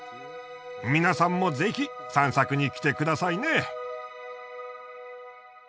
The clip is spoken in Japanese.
皆さんもぜひ散策に来てくださいね。